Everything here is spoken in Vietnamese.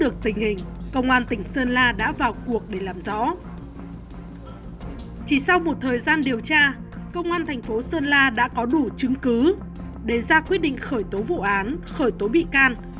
chỉ sau một thời gian điều tra công an thành phố sơn la đã có đủ chứng cứ để ra quyết định khởi tố vụ án khởi tố bị can